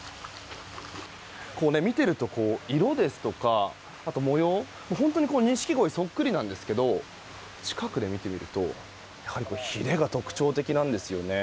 見ていると色ですとかあと模様も本当にニシキゴイそっくりなんですが近くで見てみると、やはりヒレが特徴的なんですよね。